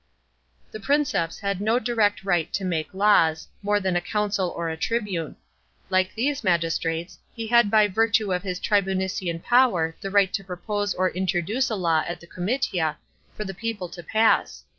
The Princeps had no direct right to make laws, more than a consul or a tribune. Like these magistrates, he had by virtue of his tribunician power the right to propose or introduce a law at the comitia, for the people to pass.